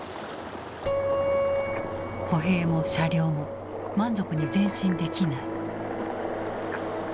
歩兵も車両も満足に前進できない。